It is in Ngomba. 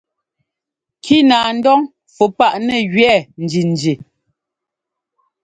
Kínaandɔn fú paʼ nɛ́ jʉɛ́ njinji.